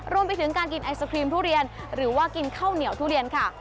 รวมไปถึงการกินไอศครีมทุเรียนหรือว่ากินข้าวเหนียวทุเรียนค่ะ